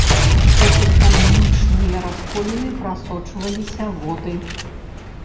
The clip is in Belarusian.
У тэктанічныя расколіны прасочваліся воды.